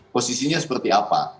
posisinya seperti apa